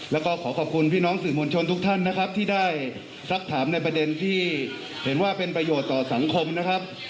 แล้วก็ขอขอบคุณพี่น้องสื่อมวลชนทุกท่านนะครับที่ได้สักถามในประเด็นที่เห็นว่าเป็นประโยชน์ต่อสังคมนะครับ